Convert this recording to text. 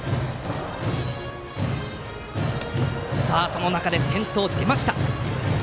その中で、先頭が出ました。